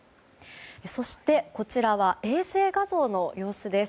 そして、こちらは衛星画像の様子です。